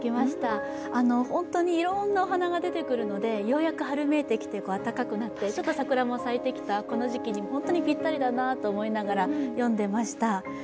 本当にいろんなお花が出てくるので、ようやく春めいてきてあったかくなってちょっと桜も咲いてきたこの時期に本当にぴったりだと思いながら読みました。